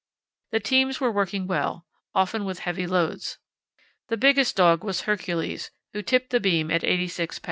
The teams were working well, often with heavy loads. The biggest dog was Hercules, who tipped the beam at 86 lbs.